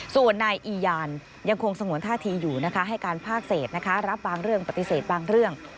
ส่วนนายอียานยังคงสงวนท่าทีอยู่นะคะให้การภาคเศษนะคะรับบางเรื่องปฏิเสธบางเรื่อง